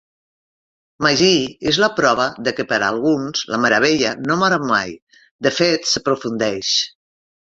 Magee és la prova de que, per a alguns, la meravella no mora mai, de fet s'aprofundeix.